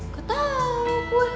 gak tau gue